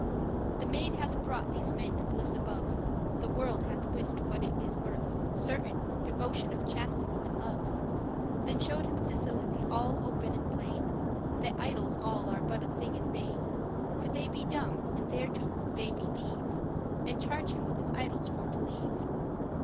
"The maid hath brought these men to bliss above; The world hath wist what it is worth, certain, Devotion of chastity to love."] <10> Then showed him Cecilie all open and plain, That idols all are but a thing in vain, For they be dumb, and thereto* they be deave; *therefore deaf And charged him his idols for to leave.